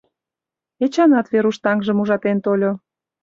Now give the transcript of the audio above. Эчанат Веруш таҥжым ужатен тольо.